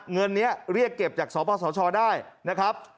เงินนี้เรียกเก็บจากสปสชได้นะครับ